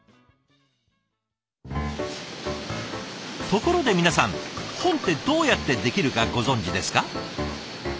ところで皆さん本ってどうやってできるかご存じですか？